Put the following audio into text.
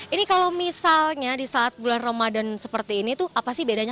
ini kalau misalnya di saat bulan ramadan seperti ini tuh apa sih bedanya